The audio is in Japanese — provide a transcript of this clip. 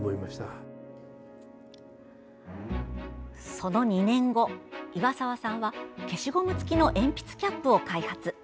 その２年後、岩沢さんは消しゴム付きの鉛筆キャップを開発。